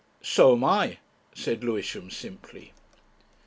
"So am I," said Lewisham simply.